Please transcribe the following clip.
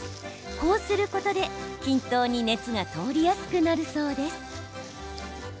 こうすることで均等に熱が通りやすくなるそうです。